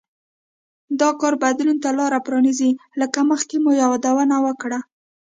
دا کار بدلون ته لار پرانېزي لکه مخکې مو یادونه وکړه